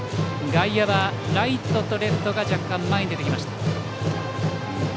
外野はライトとレフトが若干前に出てきました。